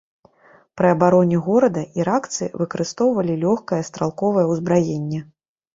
Пры абароне горада іракцы выкарыстоўвалі лёгкае стралковае ўзбраенне.